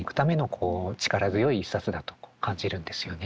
こう力強い一冊だと感じるんですよね。